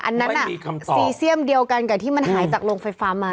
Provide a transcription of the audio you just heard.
อันนั้นซีเซียมเดียวกันกับที่มันหายจากโรงไฟฟ้ามา